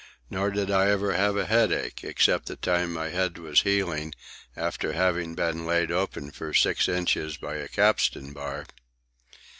"Nor did I ever have a headache except the time my head was healing after having been laid open for six inches by a capstan bar."